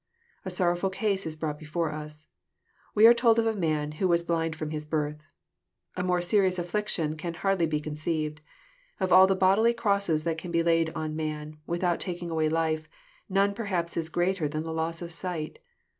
A sorrowful case is brought before us. We are told of a man " who was blind fi'om his birth." A more serious affliction can hardly be conceived. Of all the bodily crosses that can be laid on man, without taking away life, none perhaps is greater than the loss of sight.